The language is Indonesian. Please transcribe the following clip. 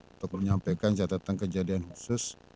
untuk menyampaikan catatan kejadian khusus